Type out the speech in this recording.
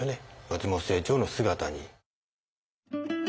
松本清張の姿に。